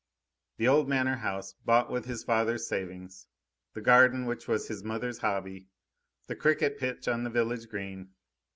The old Manor House, bought with his father's savings; the garden which was his mother's hobby; the cricket pitch on the village green.